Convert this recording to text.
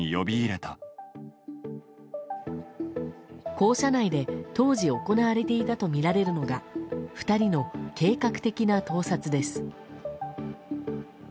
校舎内で、当時行われていたとみられるのが２人の計画的な盗撮です。